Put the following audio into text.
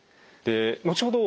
後ほど